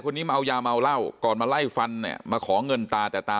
คนนี้มาเอายามาเอาเล่าก่อนมาไล่ฟันมาขอเงินตาแต่ตา